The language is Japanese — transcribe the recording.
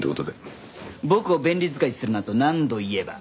僕を便利使いするなと何度言えば。